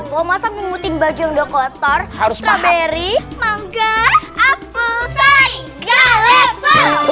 kalau masa memutih baju yang udah kotor harus beri beri mangga apel saling galep